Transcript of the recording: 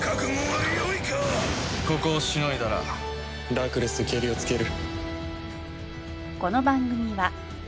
ここをしのいだらラクレスとケリをつける。